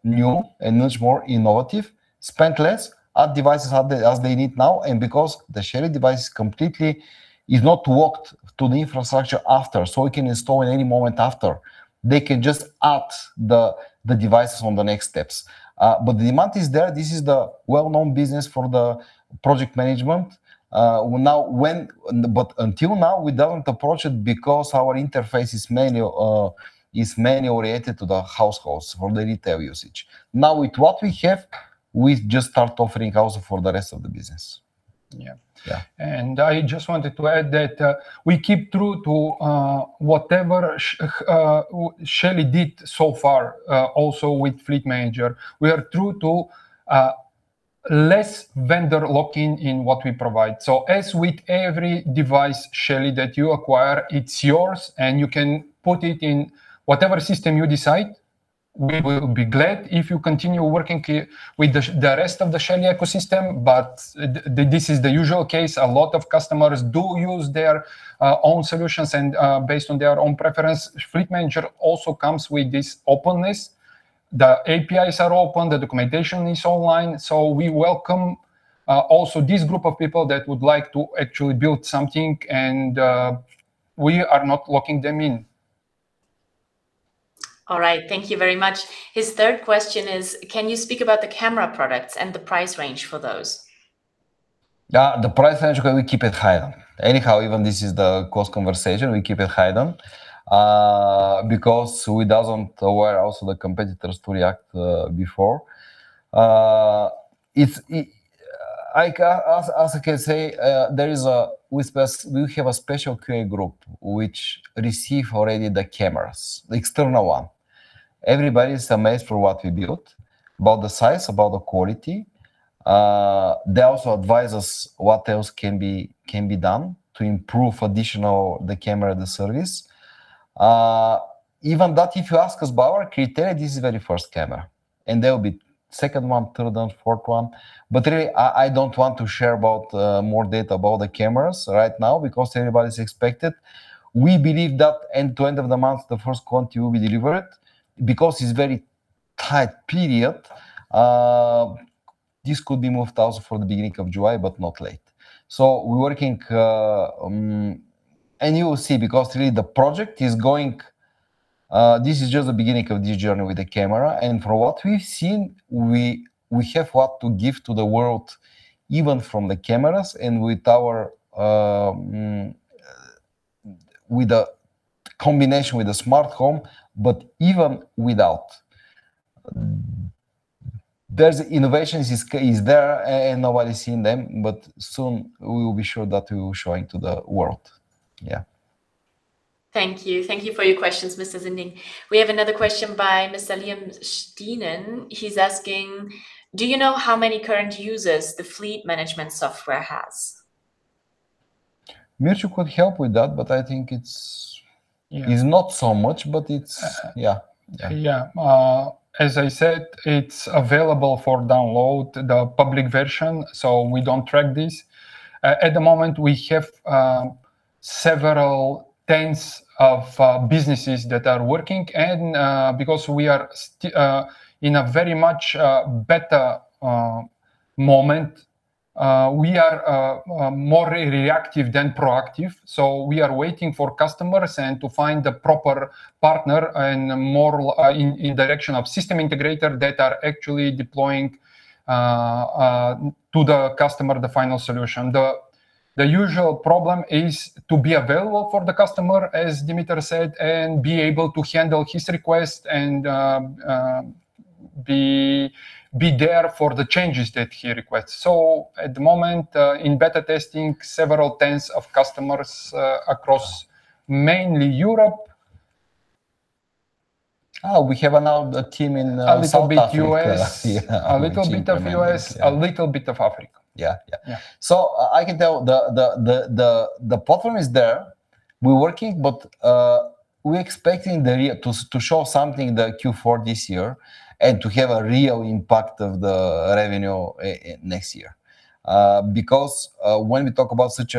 new and much more innovative, spend less, add devices as they need now. The Shelly device completely is not locked to the infrastructure after, so we can install in any moment after. They can just add the devices on the next steps. The demand is there. This is the well-known business for the project management. Until now, we don't approach it because our interface is mainly oriented to the households for the retail usage. With what we have, we just start offering also for the rest of the business. Yeah. Yeah. I just wanted to add that we keep true to whatever Shelly did so far, also with Fleet Manager. We are true to less vendor locking in what we provide. As with every device, Shelly, that you acquire, it's yours, and you can put it in whatever system you decide. We will be glad if you continue working with the rest of the Shelly ecosystem. This is the usual case. A lot of customers do use their own solutions and based on their own preference. Fleet Manager also comes with this openness. The APIs are open, the documentation is online. We welcome also this group of people that would like to actually build something, and we are not locking them in. All right. Thank you very much. His third question is, can you speak about the camera products and the price range for those? The price range, we keep it hidden. Anyhow, even this is the closed conversation, we keep it hidden, because we don't want also the competitors to react before. As I can say, we have a special QA group which receive already the cameras, the external one. Everybody is amazed for what we built, about the size, about the quality. They also advise us what else can be done to improve additional the camera, the service. Even that if you ask us about our criteria, this is very first camera, and there will be second one, third one, fourth one. Really, I don't want to share about more data about the cameras right now because everybody's expect it. We believe that end to end of the month, the first quantity will be delivered. It's very tight period, this could be moved also for the beginning of July, but not late. We're working. This is just the beginning of this journey with the camera. For what we've seen, we have what to give to the world, even from the cameras and with the combination with the smart home, but even without. The innovation is there and nobody's seen them. Soon we'll be sure that we will show it to the world. Yeah. Thank you. Thank you for your questions, Mr. Zinding. We have another question by Mr. Liam Steenen. He's asking, do you know how many current users the fleet management software has? Mircho could help with that, but I think it's. Yeah it's not so much, but it's, yeah. Yeah. As I said, it's available for download, the public version, we don't track this. At the moment, we have several tens of businesses that are working, because we are in a very much better moment, we are more reactive than proactive. We are waiting for customers and to find the proper partner and more in direction of system integrator that are actually deploying to the customer the final solution. The usual problem is to be available for the customer, as Dimitar said, be able to handle his request and be there for the changes that he requests. At the moment, in beta testing, several tens of customers across mainly Europe. Oh, we have another team in South Africa. A little bit U.S. Yeah. A little bit of U.S., a little bit of Africa. Yeah. Yeah. I can tell the platform is there. We're working, but we are expecting to show something in the Q4 this year and to have a real impact of the revenue next year. When we talk about such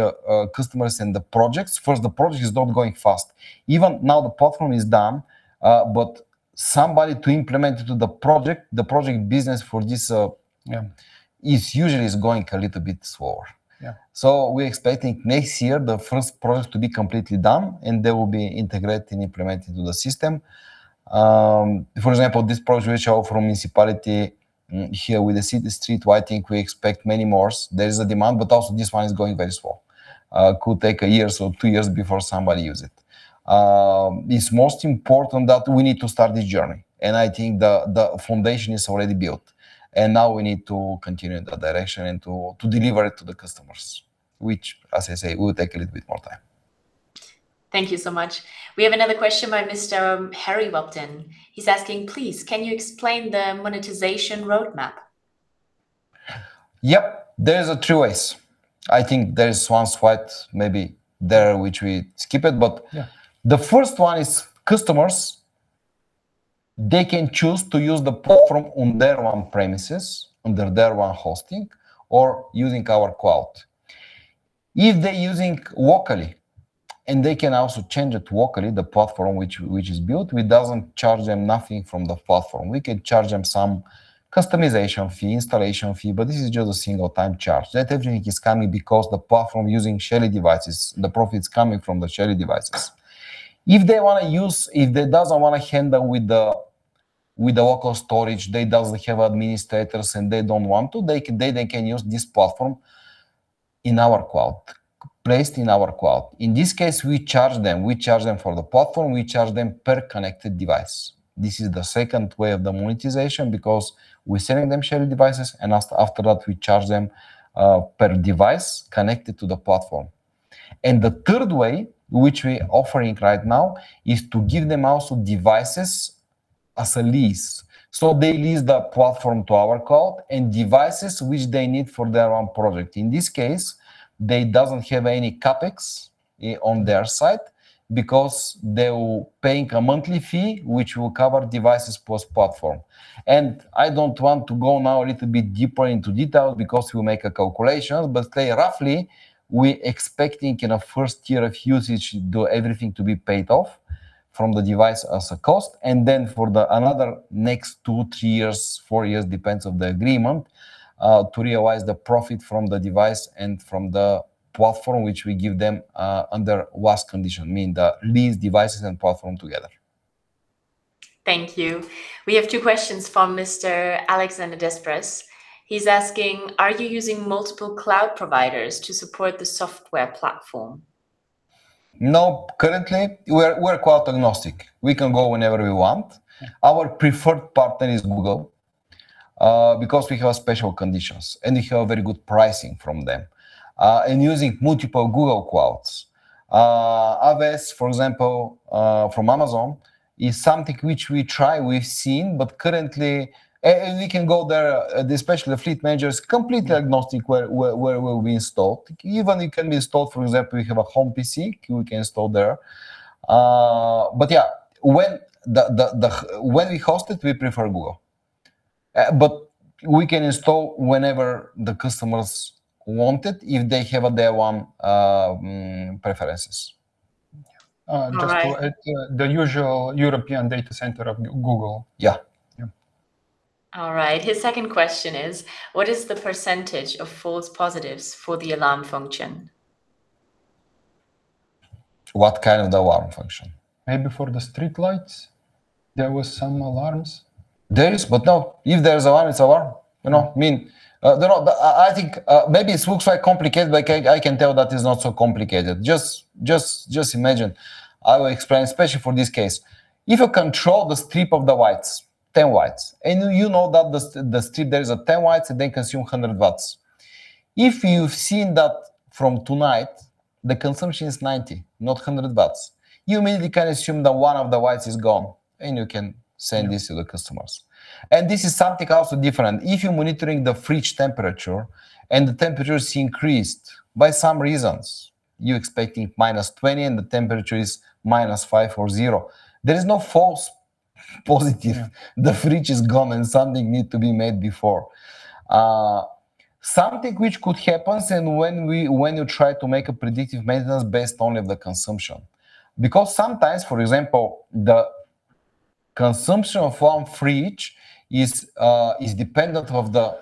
customers and the projects, first, the project is not going fast. Even now, the platform is done, but somebody to implement it to the project, the project business for this. Yeah Is usually going a little bit slower. Yeah. We're expecting next year, the first project to be completely done, and they will be integrated and implemented to the system. For example, this project we show from municipality here with the city street lighting, we expect many more. There is a demand, but also this one is going very slow. Could take a year or two years before somebody use it. It's most important that we need to start this journey, and I think the foundation is already built, and now we need to continue the direction and to deliver it to the customers, which, as I say, will take a little bit more time. Thank you so much. We have another question by Mr. Harry Watson. He's asking, "Please, can you explain the monetization roadmap? Yep. There is two ways. I think there is one slide maybe there which we skip it. Yeah The first one is customers. They can choose to use the platform on their own premises, under their own hosting, or using our cloud. If they're using locally, and they can also change it locally, the platform which is built, we doesn't charge them nothing from the platform. We can charge them some customization fee, installation fee, but this is just a single time charge. That everything is coming because the platform using Shelly devices, the profit is coming from the Shelly devices. If they doesn't want to handle with the local storage, they doesn't have administrators, and they don't want to, they can use this platform in our cloud, placed in our cloud. In this case, we charge them. We charge them for the platform, we charge them per connected device. This is the second way of the monetization because we're selling them Shelly devices. After that, we charge them per device connected to the platform. The third way, which we offering right now, is to give them also devices as a lease. They lease the platform to our cloud and devices which they need for their own project. In this case, they doesn't have any CapEx on their side because they will paying a monthly fee, which will cover devices plus platform. I don't want to go now a little bit deeper into detail because we make a calculation, but say roughly, we expecting in a first year of usage, everything to be paid off from the device as a cost. For the next two, three years, four years, depends on the agreement, to realize the profit from the device and from the platform, which we give them under WAAS condition, mean the lease devices and platform together. Thank you. We have two questions from Mr. Alexander Despres. He's asking, "Are you using multiple cloud providers to support the software platform? No. Currently, we're cloud agnostic. We can go whenever we want. Our preferred partner is Google, because we have special conditions, and we have very good pricing from them, and using multiple Google clouds. AWS, for example, from Amazon, is something which we try, we've seen, but currently, we can go there, especially the fleet managers, completely agnostic where we installed. Even it can be installed, for example, we have a home PC, we can install there. Yeah, when we host it, we prefer Google. We can install whenever the customers want it if they have their own preferences. Just to add, the usual European data center of Google. Yeah. Yeah. All right. His second question is, "What is the percentage of false positives for the alarm function? What kind of alarm function? Maybe for the streetlights, there was some alarms. There is, but no, if there's alarm, it's alarm. Yeah. I think maybe it looks very complicated, but I can tell that it's not so complicated. Just imagine, I will explain, especially for this case. If you control the strip of the lights, 10 lights, and you know that the strip, there is 10 lights, and they consume 100 W. If you've seen that from tonight, the consumption is 90, not 100 W. You immediately can assume that one of the lights is gone, and you can send this to the customers. This is something also different. If you're monitoring the fridge temperature and the temperature is increased by some reasons, you expecting -20, and the temperature is -5 or zero. There is no false positive. The fridge is gone, and something need to be made before. Something which could happens and when you try to make a predictive maintenance based only on the consumption. Sometimes, for example, the consumption from fridge is dependent of the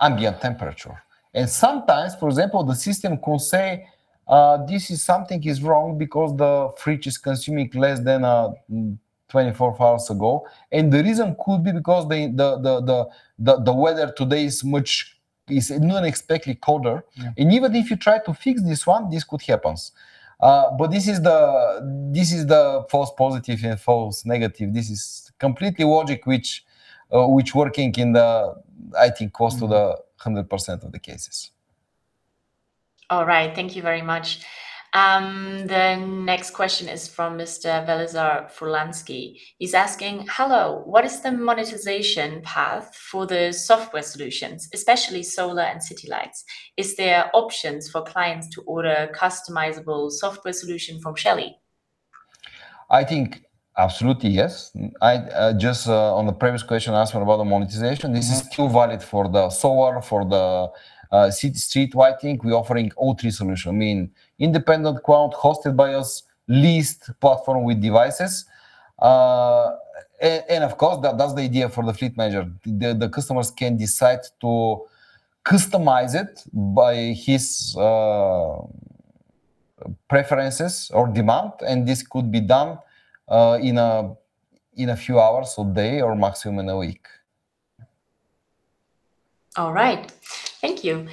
ambient temperature. Sometimes, for example, the system could say, "Something is wrong because the fridge is consuming less than 24 hours ago." The reason could be because the weather today is unexpectedly colder. Yeah. Even if you try to fix this one, this could happens. This is the false positive and false negative. This is completely logic which working in the, I think, close to the 100% of the cases. All right. Thank you very much. The next question is from Mr. Velizar Furlanski. He's asking, "Hello, what is the monetization path for the software solutions, especially solar and city lights? Is there options for clients to order customizable software solution from Shelly? I think absolutely, yes. Just on the previous question asked about the monetization, this is still valid for the solar, for the street lighting. We're offering all three solutions. Independent cloud hosted by us, leased platform with devices, and of course, that's the idea for the Shelly Fleet Manager. The customers can decide to customize it by his preferences or demand, and this could be done in a few hours or day, or maximum in a week. All right. Thank you.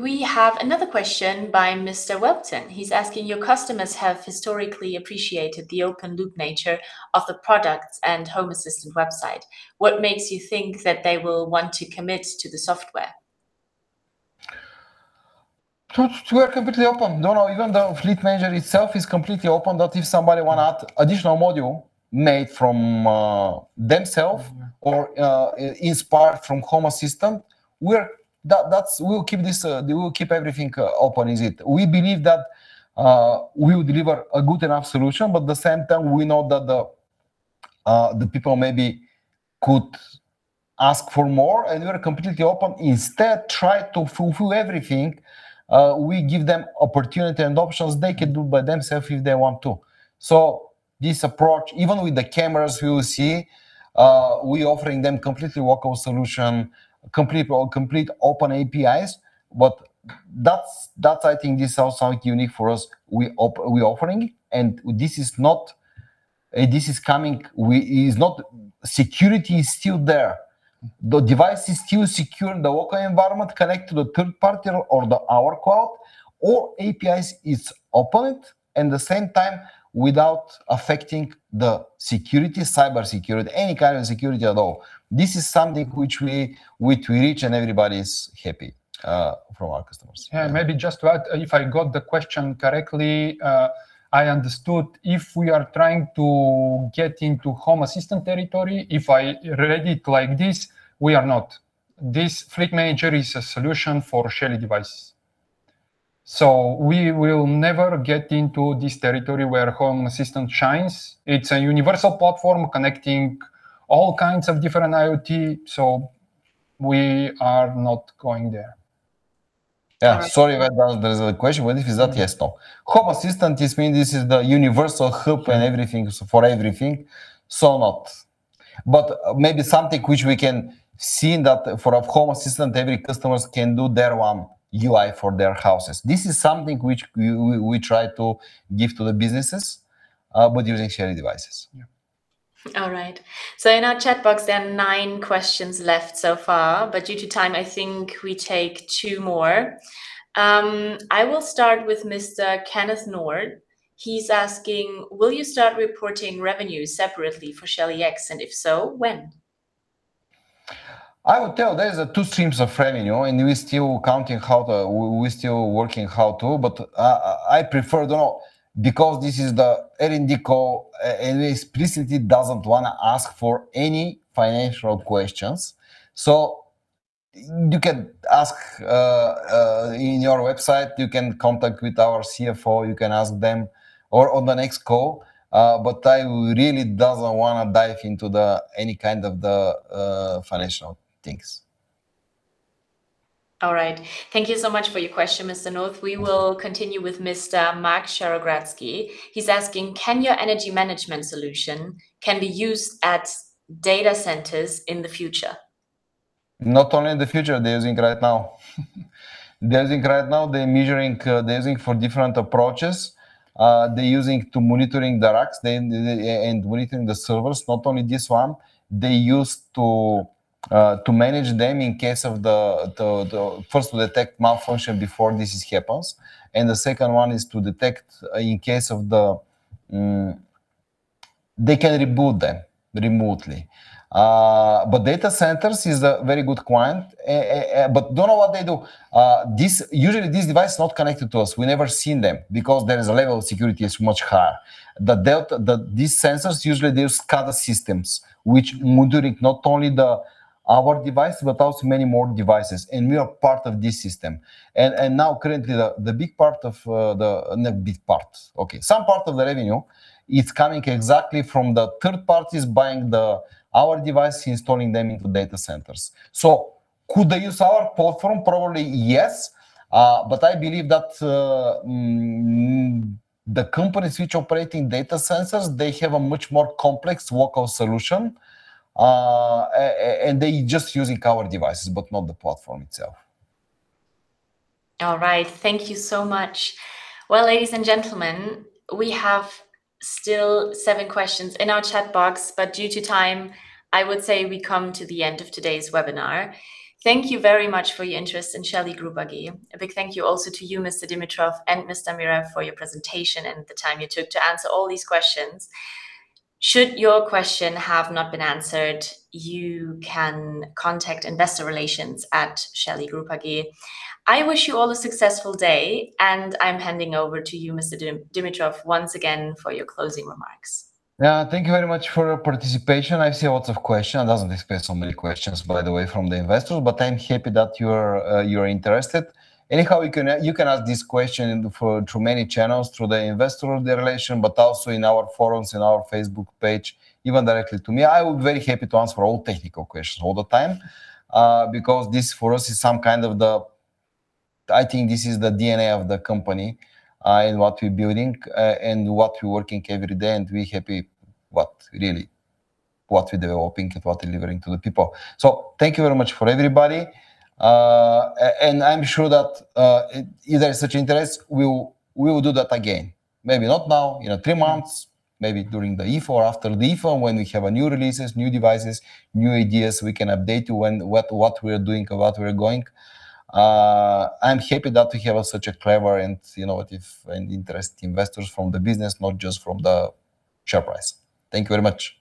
We have another question by Mr. Watson. He's asking, "Your customers have historically appreciated the open-source nature of the products and Home Assistant website. What makes you think that they will want to commit to the software? We are completely open. No, even the Shelly Fleet Manager itself is completely open, that if somebody want to add additional module made from themselves or is part from Home Assistant, we will keep everything open as it. We believe that we will deliver a good enough solution, but at the same time, we know that the people maybe could ask for more, and we are completely open. Instead, try to fulfill everything, we give them opportunity and options they can do by themself if they want to. This approach, even with the cameras we will see, we offering them completely local solution, complete open APIs. I think this is something unique for us we're offering, and security is still there. The device is still secure in the local environment, connect to the third party or the our cloud or APIs is open, at the same time, without affecting the security, cyber security, any kind of security at all. This is something which we reach and everybody's happy from our customers. Yeah, maybe just to add, if I got the question correctly, I understood if we are trying to get into Home Assistant territory, if I read it like this, we are not. This Shelly Fleet Manager is a solution for Shelly devices. We will never get into this territory where Home Assistant shines. It's a universal platform connecting all kinds of different IoT, so we are not going there. Yeah. Sorry about that. There is a question, if it's that, yes, no. Home Assistant means this is the universal hub and everything for everything, so not. Maybe something which we can see that for a Home Assistant, every customers can do their own UI for their houses. This is something which we try to give to the businesses, but using Shelly devices. Yeah. All right. In our chat box, there are nine questions left so far, but due to time, I think we take two more. I will start with Mr. Kenneth North. He's asking, "Will you start reporting revenues separately for Shelly X, and if so, when? I would tell there is two streams of revenue, and we're still working how to, but I prefer don't because this is the earnings call, and we explicitly doesn't want to ask for any financial questions. You can ask, in your website, you can contact with our CFO, you can ask them or on the next call. I really don't want to dive into any kind of the financial things. All right. Thank you so much for your question, Mr. North. We will continue with Mr. Mark Sharugradsky. He's asking, "Can your energy management solution can be used at data centers in the future? Not only in the future, they're using right now. They're using right now for different approaches. They're using to monitoring the racks and within the servers, not only this one. They use to manage them in case of the first to detect malfunction before this happens, and the second one is to detect. They can reboot them remotely. Data centers is a very good client, but don't know what they do. Usually, this device not connected to us. We never seen them because there is a level of security is much higher. These sensors, usually, they use SCADA systems, which monitoring not only our device, but also many more devices, and we are part of this system. Now currently, some part of the revenue is coming exactly from the third parties buying our device, installing them into data centers. Could they use our platform? Probably, yes. I believe that the companies which operating data centers, they have a much more complex local solution. They just using our devices, but not the platform itself. All right. Thank you so much. Well, ladies and gentlemen, we have still seven questions in our chat box, but due to time, I would say we come to the end of today's webinar. Thank you very much for your interest in Shelly Group SE. A big thank you also to you, Mr. Dimitrov and Mr. Mirov, for your presentation and the time you took to answer all these questions. Should your question have not been answered, you can contact Investor Relations at Shelly Group SE. I wish you all a successful day, and I'm handing over to you, Mr. Dimitrov, once again, for your closing remarks. Yeah, thank you very much for your participation. I see lots of question. I doesn't expect so many questions, by the way, from the investors, but I'm happy that you're interested. You can ask this question through many channels, through the investor relation, but also in our forums, in our Facebook page, even directly to me. I will be very happy to answer all technical questions all the time, because this for us is some kind of I think this is the DNA of the company in what we're building, and what we're working every day, and we're happy what really what we're developing and what delivering to the people. Thank you very much for everybody. I'm sure that if there is such interest, we will do that again. Maybe not now, three months, maybe during the IFA, after the IFA, when we have new releases, new devices, new ideas, we can update you on what we're doing or what we're going. I'm happy that we have such a clever and innovative and interesting investors from the business, not just from the share price. Thank you very much.